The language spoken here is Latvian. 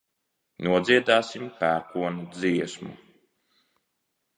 Nodziedāsim pērkona dziesmu.